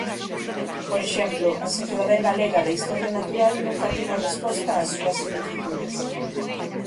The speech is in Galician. Por exemplo, a Sociedade Galega de Historia Natural nunca tivo resposta ás súas solicitudes.